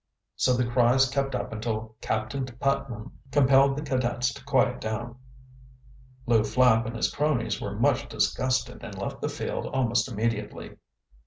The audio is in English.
So the cries kept up until Captain Putnam compelled the cadets to quiet down. Lew Flapp and his cronies were much disgusted and left the field almost immediately.